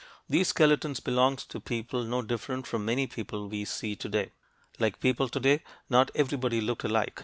These skeletons belonged to people no different from many people we see today. Like people today, not everybody looked alike.